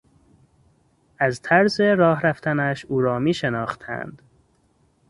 از طرز راه رفتنش او را میشناختند.